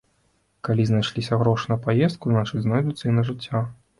Калі знайшліся грошы на паездку, значыць, знойдуцца і на жыццё.